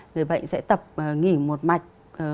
người bệnh sẽ tập nghỉ một mạch